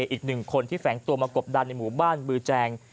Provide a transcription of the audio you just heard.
อีกหนึ่งคนที่แฝงตัวมากบดันในหมู่บ้านบือแจง